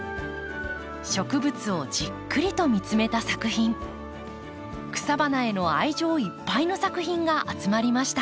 植物をじっくりと見つめた作品草花への愛情いっぱいの作品が集まりました。